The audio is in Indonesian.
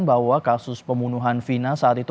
bahwa kasus pembunuhan vina saat itu